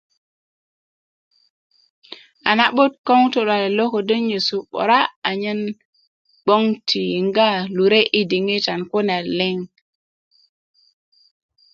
A na'but ko ŋutu' luwalet lo ködö nyenyesu 'bura', anyen gboŋ ti yiŋga lure' diŋitan kune liŋ .